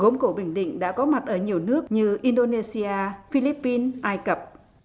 gốm cổ bình định đã có mặt ở nhiều nước như indonesia philippines ai cập